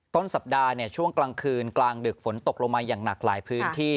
ต้นสัปดาห์ช่วงกลางคืนกลางดึกฝนตกลงมาอย่างหนักหลายพื้นที่